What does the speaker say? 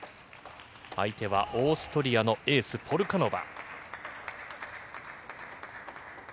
相手はオーストリアのエースポルカノバ。